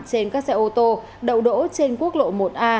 trên các xe ô tô đầu đỗ trên quốc lộ một a